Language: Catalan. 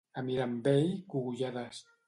A Mirambell, cogullades.